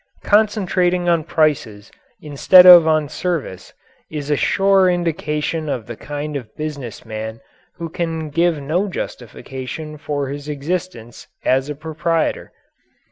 Concentrating on prices instead of on service is a sure indication of the kind of business man who can give no justification for his existence as a proprietor.